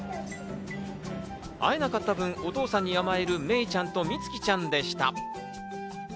会えなかった分、お父さんに甘える、めいちゃんとみつきちゃんでした。